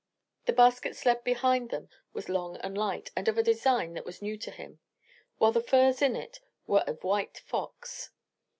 The basket sled behind them was long and light, and of a design that was new to him, while the furs in it were of white fox.